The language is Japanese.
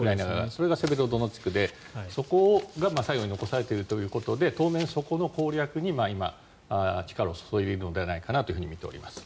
それがセベロドネツクでそこが最後に残されているということで当面、そこの攻略に今力を注いでいるのではないかなと見ております。